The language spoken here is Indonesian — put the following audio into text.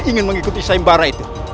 kami ingin mengikuti sembara itu